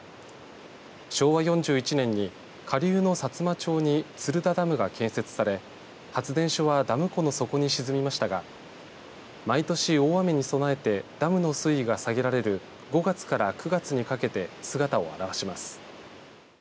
昭和４１年に下流のさつま町に鶴田ダムが建設され発電所はダム湖の底に沈みましたが毎年、大雨に備えてダムの水位が下げられる５月から９月にかけて姿を現します。